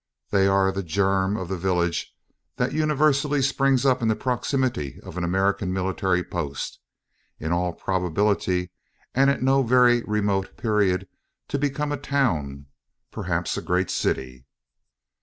They are the germ of the village that universally springs up in the proximity of an American military post in all probability, and at no very remote period, to become a town perhaps a great city.